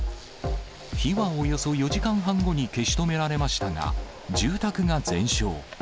火はおよそ４時間半後に消し止められましたが、住宅が全焼。